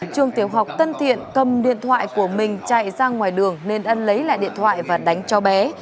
trường tiểu học tân thiện cầm điện thoại của mình chạy ra ngoài đường nên ân lấy lại điện thoại và đánh cho bé